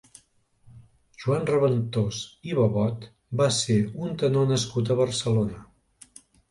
Joan Raventós i Babot va ser un tenor nascut a Barcelona.